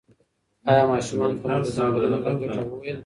ایا ماشومانو ته مو د ځنګلونو د ګټو وویل؟